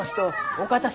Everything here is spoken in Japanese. お方様！